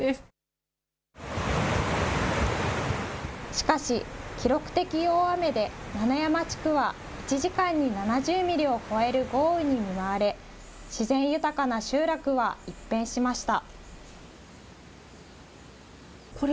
しかし、記録的大雨で七山地区は１時間に７０ミリを超える豪雨に見舞われ、自然豊かな集落は一変しました。